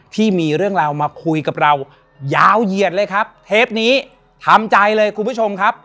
ที่มีเรื่องราวมาคุยกับเรายาวเหยียดเลยครับเทปนี้ทำใจเลยคุณผู้ชมครับ